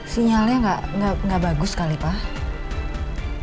sinyalnya nggak bagus kali pak